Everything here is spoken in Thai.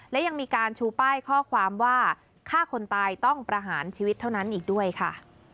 และยังมีการชูป้ายข้อความว่าฆ่าคนตายต้องประหารชีวิตเท่านั้นอีกด้วยค่ะ